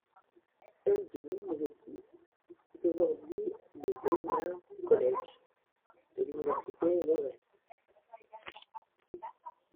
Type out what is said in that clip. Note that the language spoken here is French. Celle de Milwaukee est aujourd'hui le Downer College de l'université Lawrence.